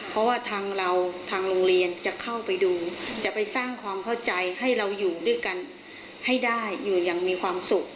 เพราะว่าทางเราทางโรงเรียนจะเข้าไปดูจะไปสร้างความเข้าใจให้เราอยู่ด้วยกันให้ได้อยู่อย่างมีความสุข